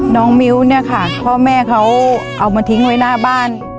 น้องมิ้วเนี่ยค่ะพ่อแม่เขาเอามาทิ้งไว้หน้าบ้าน